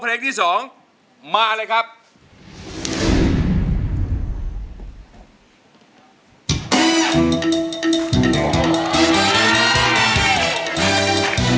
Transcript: เป็นเพลงของคุณอาชายเมืองสิงหรือเปล่า